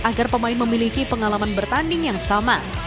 agar pemain memiliki pengalaman bertanding yang sama